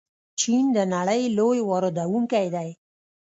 چین د نړۍ لوی واردونکی دی.